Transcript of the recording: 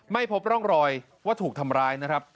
ไม่พบร่องรอยว่าถูกทำร้ายนะครับ